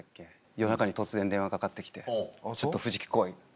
夜中に突然電話かかって来て「ちょっと藤木来い」。